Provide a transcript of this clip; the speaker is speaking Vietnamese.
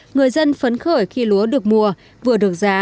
người dân phấn khởi khi lúa được mùa vừa được giá